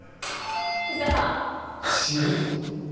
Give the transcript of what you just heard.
藤田さん。